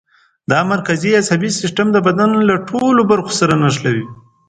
دا مرکزي عصبي سیستم د بدن له ټولو برخو سره نښلوي.